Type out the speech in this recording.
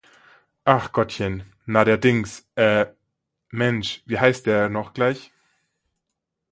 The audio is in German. Ach Gottchen, na der Dings ... äh ... Mensch, wie heißt der noch gleich?